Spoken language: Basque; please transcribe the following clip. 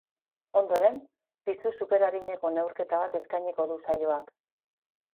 Ondoren, pisu superarineko neurketa bat eskainiko du saioak.